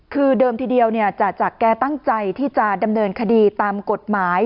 คือเดิมทีเดียวจ่าจักรแกตั้งใจที่จะดำเนินคดีตามกฎหมาย